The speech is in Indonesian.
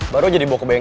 dakwah nya mas broken